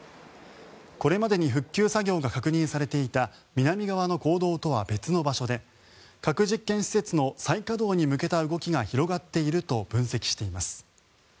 これまでに復旧作業が確認されていた南側の坑道とは別の場所で核実験施設の再稼働に向けた動きが広がっていると分析しています。